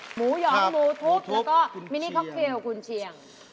หมูหยองหมูทุบแล้วก็มินิคอคเคลคุณเชียง